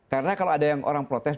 karena kalau ada yang orang protes